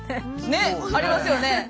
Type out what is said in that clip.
ねっありますよね。